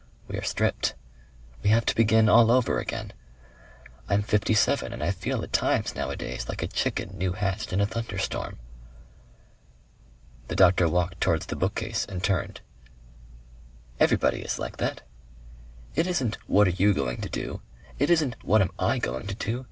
We are stripped.... We have to begin all over again.... I'm fifty seven and I feel at times nowadays like a chicken new hatched in a thunderstorm." The doctor walked towards the bookcase and turned. "Everybody is like that...it isn't what are you going to do? It isn't what am I going to do?